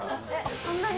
そんなに？